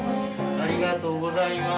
ありがとうございます。